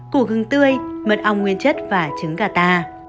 củ gừng tươi mật ong nguyên chất và trứng gà ta